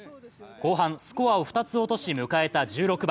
後半スコアを２つ落とし迎えた１６番。